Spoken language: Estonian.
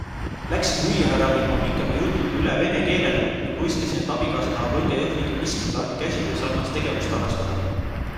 Läksin müüjahärraga ilma pikema jututa üle vene keelele ning luiskasin, et abikaasa tahab õngejõhviga miskit laadi käsitöösarnast tegevust harrastada.